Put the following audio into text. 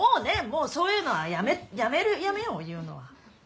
もうそういうのはやめるやめよう言うのは。